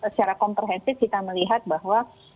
secara komprehensif kita melihat bahwa